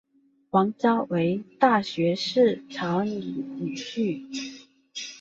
王诏为大学士曹鼐女婿。